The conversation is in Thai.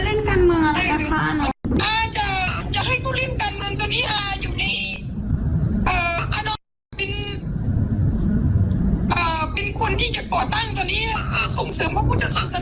ตั้งตอนนี้ส่งเสริมพระพุทธศาสนา